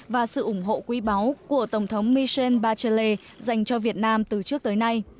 và sự ủng hộ quý báu của tổng thống michel bachelle dành cho việt nam từ trước tới nay